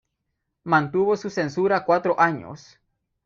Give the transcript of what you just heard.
Mantuvo su censura cuatro años.